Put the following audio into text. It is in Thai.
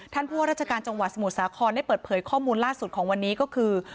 ผู้ว่าราชการจังหวัดสมุทรสาครได้เปิดเผยข้อมูลล่าสุดของวันนี้ก็คือ